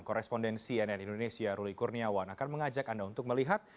korespondensi nn indonesia ruli kurniawan akan mengajak anda untuk melihat